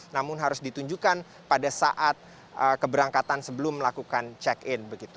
namun harus ditunjukkan pada saat keberangkatan sebelum melakukan check in